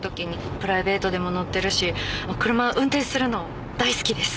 プライベートでも乗ってるし車運転するの大好きです！